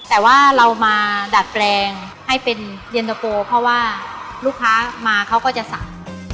แต่ว่าเรามาดัดแปลงให้เป็นเย็นตะโฟเพราะว่าลูกค้ามาเขาก็จะสั่ง